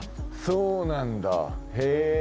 そうなんだへぇ。